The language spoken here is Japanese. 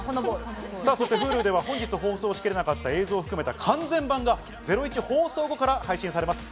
そしてＨｕｌｕでは本日放送しきれなかった映像を含めた完全版が『ゼロイチ』放送後から配信されます。